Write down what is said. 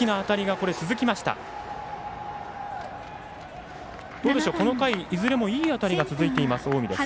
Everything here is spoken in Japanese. この回、いずれもいい当たりが続いています、近江です。